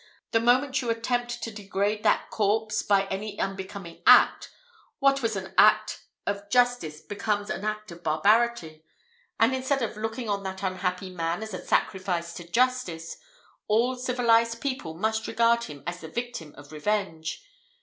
The moment you attempt to degrade that corpse by any unbecoming act, what was an act of justice becomes an act of barbarity; and instead of looking on that unhappy man as a sacrifice to justice, all civilized people must regard him as the victim of revenge.